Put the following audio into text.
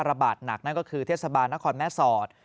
ระบาดหนักนั่นก็คือเทศบาลนครแม่สอด